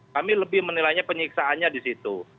kami lebih menilainya penyiksaannya disitu